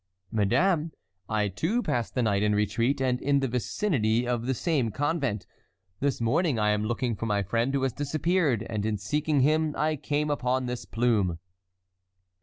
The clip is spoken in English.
"Madame, I too passed the night in retreat, and in the vicinity of the same convent. This morning I am looking for my friend who has disappeared, and in seeking him I came upon this plume."